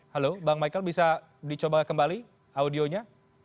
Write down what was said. halo bang michael bisa dicoba kembali audionya